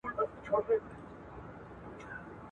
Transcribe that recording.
يووالی د بريا کيلي ده.